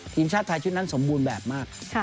ทีมชาติไทยชุดนั้นสมบูรณ์แบบมาก